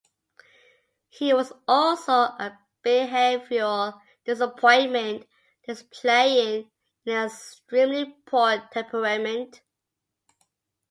He was also a behavioral disappointment, displaying an extremely poor temperament.